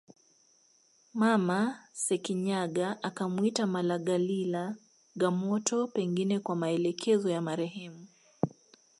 Mama Sekinyaga akamwita Malangalila Gamoto pengine kwa maelekezo ya marehemu